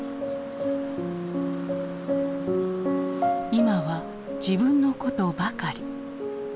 今は自分のことばかり。